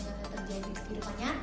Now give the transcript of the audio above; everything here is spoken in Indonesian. jadi menurut aku penting banget